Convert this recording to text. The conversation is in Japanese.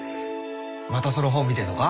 またその本見てんのか。